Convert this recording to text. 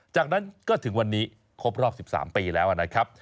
จากนั้นก็ถึงวันนี้ครบรอบ๑๓ปีแล้วนะครับ